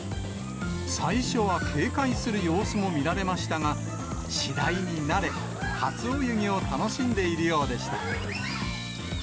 最初は警戒する様子も見られましたが、次第に慣れ、初泳ぎを楽しんでいるようでした。